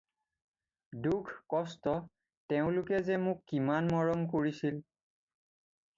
দুখ, কষ্ট! তেওঁলোকে যে মোক কিমান মৰম কৰিছিল।